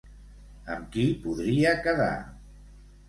Amb qui podria quedar?